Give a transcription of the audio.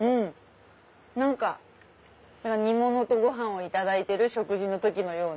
何か煮物とご飯をいただいてる食事の時のような。